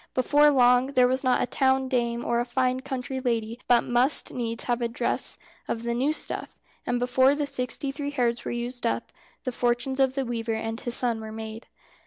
Before long there was not a town dame or a fine country lady but must needs have a dress of the new stuff, and before the sixty three hairs were used up, the fortunes of the weaver and his son were made.